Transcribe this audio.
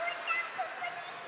ここでした！